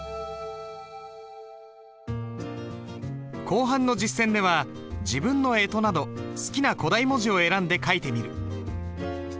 後半の実践では自分のえとなど好きな古代文字を選んで書いてみる。